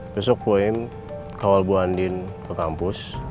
besok poin kawal bu andin ke kampus